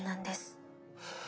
へえ。